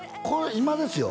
今ですよ